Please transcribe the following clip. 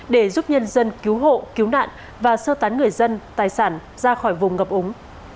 để giúp nhân dân cứu hộ cứu nạn và sơ tán người dân tài sản ra khỏi vùng ngập úng